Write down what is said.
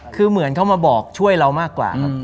คือเหมือนเขามาบอกช่วยเรามากกว่าครับ